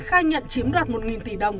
khai nhận chiếm đoạt một tỷ đồng